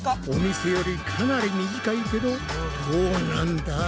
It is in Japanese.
お店よりかなり短いけどどうなんだ？